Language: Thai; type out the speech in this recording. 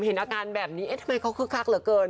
เห็นอาการแบบนี้เอ๊ะทำไมเขาคึกคักเหลือเกิน